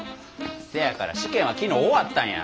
せやから試験は昨日終わったんや。